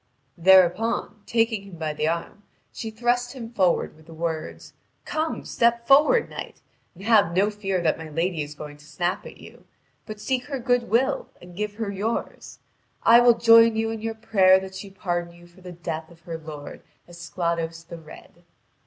Thereupon, taking him by the arm, she thrust him forward with the words: "Come, step forward, knight, and have no fear that my lady is going to snap at you; but seek her good will and give her yours. I will join you in your prayer that she pardon you for the death of her lord, Esclados the Red."